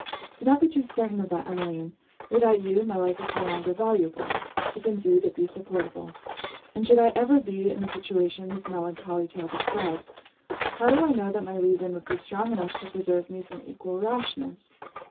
'Do not be too certain of that, Emmeline. Without you, my life is no longer valuable if indeed it be supportable; and should I ever be in the situation this melancholy tale describes, how do I know that my reason would be strong enough to preserve me from equal rashness.